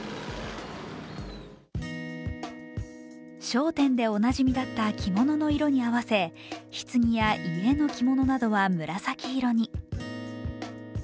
「笑点」でおなじみだった着物の色に合わせ、ひつぎや遺影の着物などは紫色に。